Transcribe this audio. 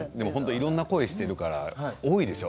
いろいろな声をやられてるから多いでしょう？